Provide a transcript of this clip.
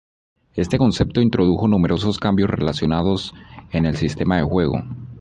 Este concepto introdujo numerosos cambios relacionados en el sistema de juego.